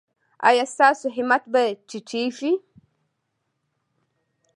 ایا ستاسو همت به ټیټیږي؟